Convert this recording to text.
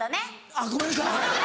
あっごめんなさい。